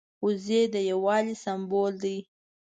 وزې د یو والي سمبول دي